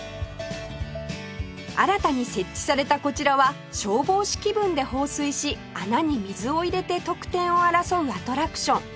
新たに設置されたこちらは消防士気分で放水し穴に水を入れて得点を争うアトラクション